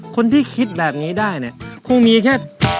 คนที่คิดแบบนี้ได้เนี่ยคงมีแค่